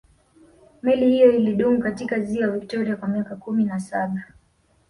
meli hiyo ilidumu katika ziwa victoria kwa miaka kumi na saba